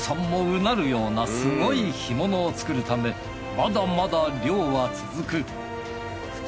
もうなるようなすごい干物を作るためまだまだ漁は続く。